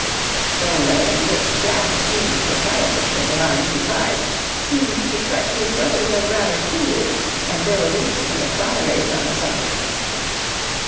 The way in which Jack assumed the proprietorship of our new prize seemed to strike his brothers as rather cool, and there was instantly a cry raised on the subject.